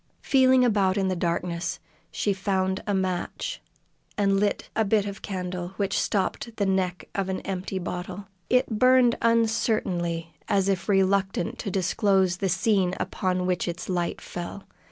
Feeling about in the darkness, she found a match and lit a bit of candle which stopped the neck of an empty bottle. It burned uncertainly as if reluctant to disclose the scene upon which its light fell.